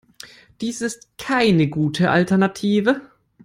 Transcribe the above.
Dies ist keine gute Alternative.